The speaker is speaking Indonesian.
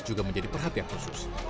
juga menjadi perhatian khusus